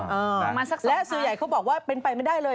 เออมาสักสักครั้งแล้วซื้อใหญ่เขาบอกว่าเป็นไปไม่ได้เลย